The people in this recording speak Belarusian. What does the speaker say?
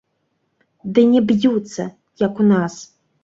Ды не б'юцца, як у нас.